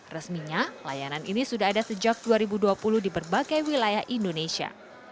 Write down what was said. resminya layanan ini sudah ada sejak dua ribu dua puluh di berbagai wilayah indonesia